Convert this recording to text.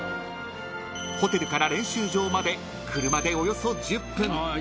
［ホテルから練習場まで車でおよそ１０分］